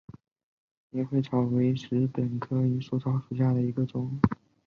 银穗草为禾本科银穗草属下的一个种。